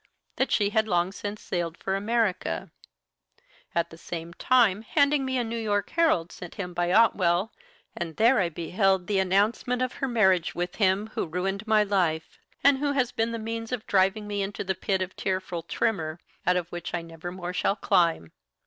that she had long since sailed for America, at the same time handing me a New York Herald sent him by Otwell, and there I beheld the announcement of her marriage with him who ruined my life, and who has been the means of driving me into the pit of tearful tremor, out of which I never more shall climb.